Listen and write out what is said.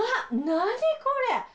何これ！？